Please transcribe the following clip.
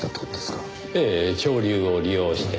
ええ潮流を利用して。